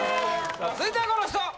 続いてはこの人！